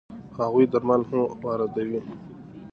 هغوی درمل هم واردوي.